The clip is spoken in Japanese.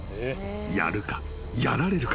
［やるか。やられるか］